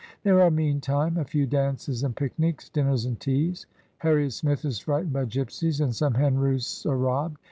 There are, meantime, a few dances and picnics, dinners and teas; Harriet Smith is frightened by gypsies, and some hen roosts are robbed.